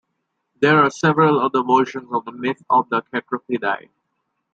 There are several other versions of the myth of the Kekropidai.